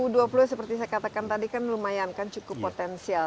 dua ribu dua puluh seperti saya katakan tadi kan lumayan kan cukup potensial